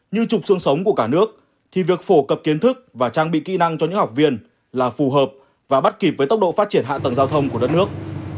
như chụp xương sống của cả nước thì việc phổ cập kiến thức và trang bị kỹ năng cho những học viên là phù hợp và bắt kịp với tốc độ phát triển hạ tầng giao thông của đất nước